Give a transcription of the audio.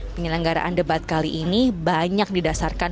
penyelenggaraan debat kali ini banyak didasarkan